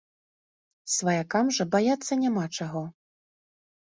Сваякам жа баяцца няма чаго.